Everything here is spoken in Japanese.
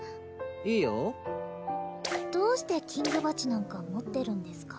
いいよどうして金魚鉢なんか持ってるんですか？